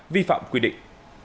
vi phạm quy định